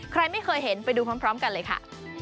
ใครไม่เคยเห็นไปดูพร้อมกันเลยค่ะ